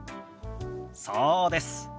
そうです。